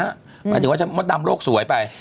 หมายถึงว่ามดดำโลกสวยไป